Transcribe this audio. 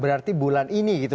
berarti bulan ini gitu